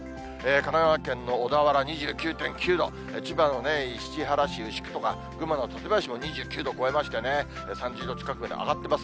神奈川県の小田原２９．９度、千葉の市原市、牛久とか群馬の館林も２９度超えましてね、３０度近くまで上がってます。